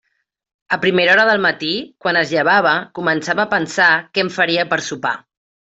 A primera hora del matí, quan es llevava, començava a pensar què em faria per sopar.